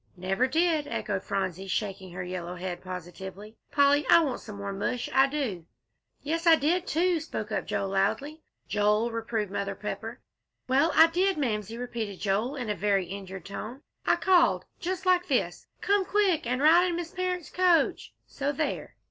"Never did!" echoed Phronsie, shaking her yellow head positively. "Polly, I want some more mush, I do." "Yes, I did, too," spoke up Joel, loudly. "Joel!" reproved Mother Pepper. "Well, I did, Mamsie," repeated Joel, in a very injured tone. "I called just like this, 'come quick! and ride in Miss Parrott's coach;' so there!"